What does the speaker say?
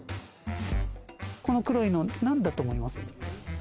この黒いの何だと思います？